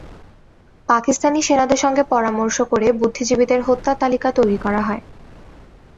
পাকিস্তানি সেনাদের সঙ্গে পরামর্শ করে বুদ্ধিজীবীদের হত্যার তালিকা তৈরি করা হয়।